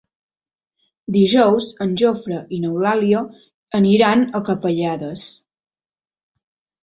Dijous en Jofre i n'Eulàlia aniran a Capellades.